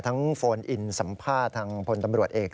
โฟนอินสัมภาษณ์ทางพลตำรวจเอก